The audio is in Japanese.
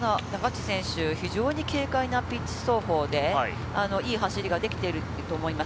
非常に軽快なピッチ走行で、いい走りができていると思います。